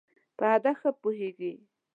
په هدف ښه پوهېږی.